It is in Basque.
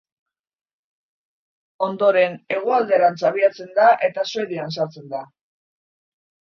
Ondoren hegoalderantz abiatzen da eta Suedian sartzen da.